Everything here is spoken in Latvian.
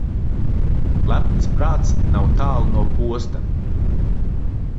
Lepns prāts nav tālu no posta.